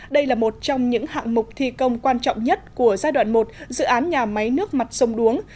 đây là một trong những hạng mục thi công quan trọng nhất của giai đoạn một dự án nhà máy nước mặt sông đuống